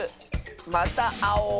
またあおう。